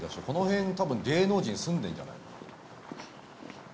このへんたぶん芸能人住んでんじゃない？